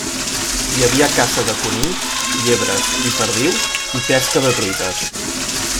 Hi havia caça de conills, llebres i perdius i pesca de truites.